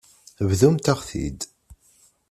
Bḍumt-aɣ-t-id.